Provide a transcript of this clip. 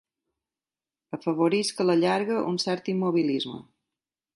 Afavorisc a la llarga un cert immobilisme.